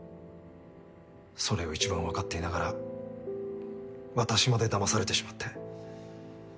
それを一番分かっていながら私まで騙されてしまって。